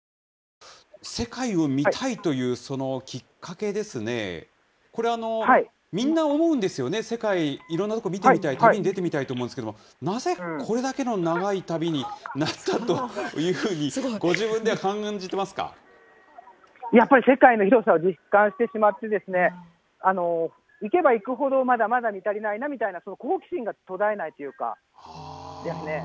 世界を見たいというそのきっかけですね、これ、みんな思うんですよね、世界、いろんな所、見てみたい、旅に出てみたいと思うんですけれども、なぜこれだけの長い旅になったというふうに、ごやっぱり世界の広さを実感してしまって、行けば行くほど、まだまだ見足りないなみたいな、好奇心が途絶えないというか、ですね。